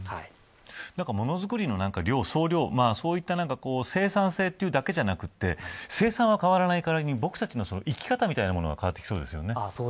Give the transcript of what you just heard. ものづくりの総量そういった生産性だけでなく生産は変わらない代わりに僕たちの生き方みたいなものが変わってきそうですよね。